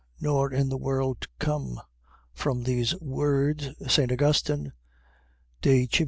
Nor in the world to come. . .From these words St. Augustine (De Civ.